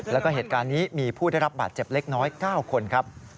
แล้วก็เหตุการณ์นี้มีผู้ได้รับบาดเจ็บเล็กน้อย๙คนครับ